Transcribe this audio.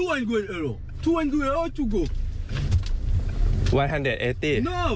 อะไร